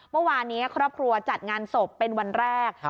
เมื่อวานนี้ครอบครัวจัดงานศพเป็นวันแรก